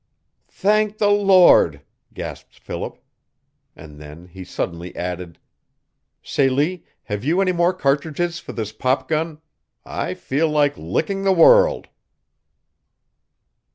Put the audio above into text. "Thank the Lord," gasped Philip. And then he suddenly added, "Celie, have you any more cartridges for this pop gun? I feel like licking the world!"